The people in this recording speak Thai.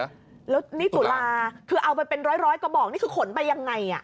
แล้วนี่ตุลาคือเอาไปเป็นร้อยกระบอกนี่คือขนไปยังไง